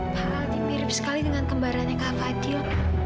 pak aldi mirip sekali dengan kembarannya kak fadil